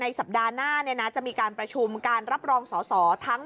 สัปดาห์หน้าจะมีการประชุมการรับรองสอสอทั้ง